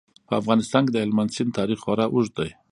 په افغانستان کې د هلمند سیند تاریخ خورا اوږد دی.